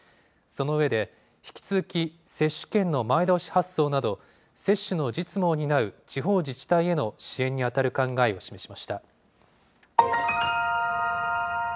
その上で、引き続き、接種券の前倒し発送など、接種の実務を担う地方自治体への支援に当たる考えを示しました。